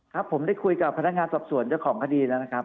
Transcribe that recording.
ครับผมได้คุยกับพนักงานสอบสวนเจ้าของคดีแล้วนะครับ